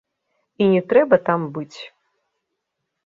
І не трэба там быць.